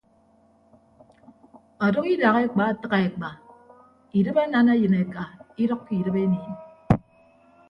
Ọdʌk idak ekpa atịgha ekpa idịp anana eyịn eka idʌkkọ idịp eniin.